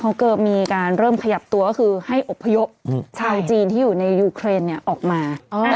เขาก็มีการเริ่มขยับตัวก็คือให้อบพยพชาวจีนที่อยู่ในยูเครนออกมา